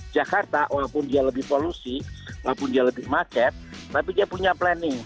jakarta walaupun dia lebih polusi walaupun dia lebih macet tapi dia punya planning